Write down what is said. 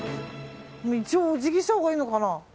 一応おじぎしたほうがいいのかな。